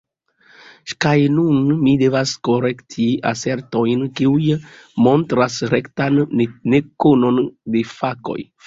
Kaj nun mi devas korekti asertojn, kiuj montras rektan nekonon de faktoj.